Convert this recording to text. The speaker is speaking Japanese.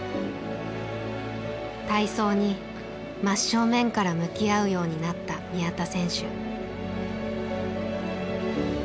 体操に真っ正面から向き合うようになった宮田選手。